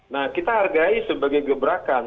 nah kita hargai sebagai gebrakan